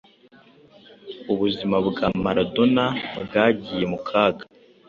ubuzima bwa Maradona bwagiye mu kaga